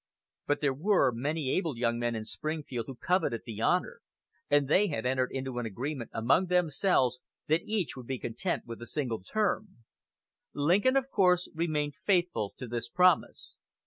But there were many able young men in Springfield who coveted the honor, and they had entered into an agreement among themselves that each would be content with a single term. Lincoln of course remained faithful to this promise.